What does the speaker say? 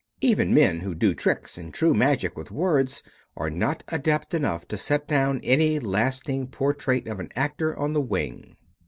Even men who do tricks and true magic with words are not adept enough to set down any lasting portrait of an actor on the wing.